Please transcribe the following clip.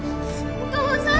お父さん。